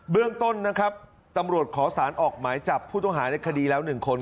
เรื่องต้นนะครับตำรวจขอสารออกหมายจับผู้ต้องหาในคดีแล้ว๑คน